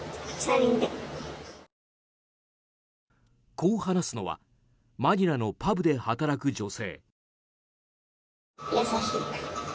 こう話すのはマニラのパブで働く女性。